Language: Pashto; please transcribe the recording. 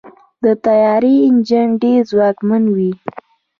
د طیارې انجن ډېر ځواکمن وي.